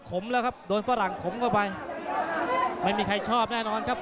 ก็มาลุ่มตลอดแล้วครับ